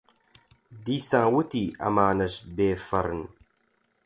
دیسان وتی: ئەمانەش بێفەڕن.